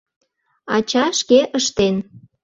Ача шке ыштен.